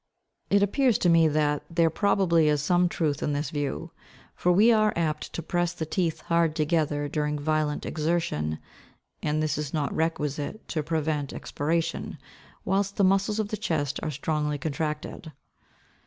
It appears to me that there probably is some truth in this view, for we are apt to press the teeth hard together during violent exertion, and this is not requisite to prevent expiration, whilst the muscles of the chest are strongly contracted.